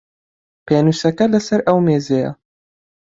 پێنووسەکە لە سەر ئەو مێزەیە.